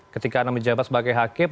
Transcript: ketika anda menjabat sebagai hakim